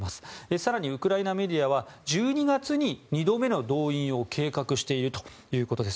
更に、ウクライナメディアは１２月に２度目の動員を計画しているということです。